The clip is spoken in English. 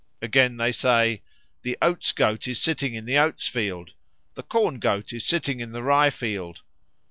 Again they say, "The Oats goat is sitting in the oats field," "the Corn goat is sitting in the rye field."